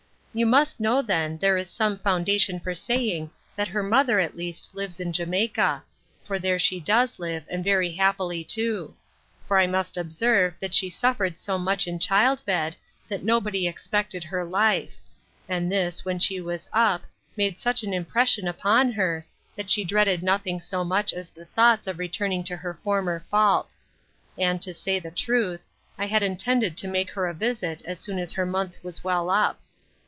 You must know then, there is some foundation for saying, that her mother, at least, lives in Jamaica; for there she does live, and very happily too. For I must observe, that she suffered so much in child bed, that nobody expected her life; and this, when she was up, made such an impression upon her, that she dreaded nothing so much as the thoughts of returning to her former fault; and, to say the truth, I had intended to make her a visit as soon as her month was well up.